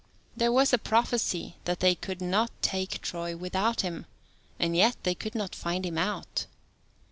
There was a prophecy that they could not take Troy without him, and yet they could not find him out.